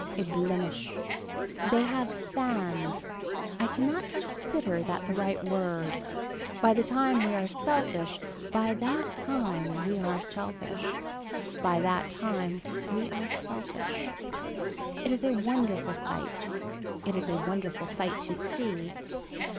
A blemish. They have spans. I cannot consider that the right word. By the time we are selfish, by that time we are selfish. By that time we are selfish. It is a wonderful sight, It is a wonderful sight to see.